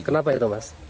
kenapa itu mas